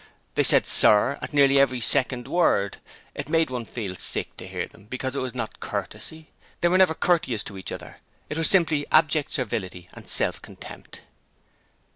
They said 'Sir' at nearly every second word: it made one feel sick to hear them because it was not courtesy: they were never courteous to each other, it was simply abject servility and self contempt.